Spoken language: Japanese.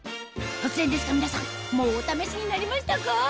突然ですが皆さんもうお試しになりましたか？